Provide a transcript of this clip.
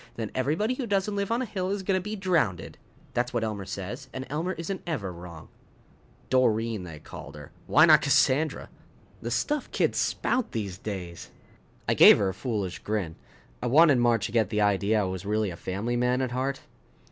Then everybody who doesn't live on a hill is gonna be drownded. That's what Elmer says and Elmer isn't ever wrong." [Illustration: Illustrated by CAVAT] Doreen they called her! Why not Cassandra? The stuff kids spout these days! I gave her a foolish grin. I wanted Marge to get the idea I was really a family man at heart.